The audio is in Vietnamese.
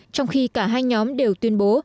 trong khi cả hai nhóm đều tuyên bố